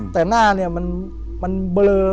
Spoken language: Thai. แต่หน้าเนี่ยมันเบลอ